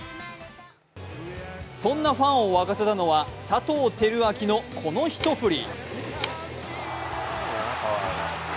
そんなファンを沸かせたのは佐藤輝明のこの一振り。